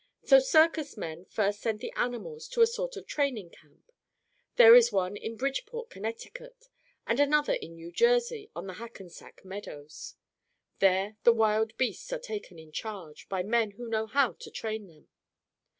So circus men first send the animals to a sort of training camp. There is one in Bridgeport, Conn., and another in New Jersey, on the Hackensack meadows. There the wild beasts are taken in charge, by men who know how to train them.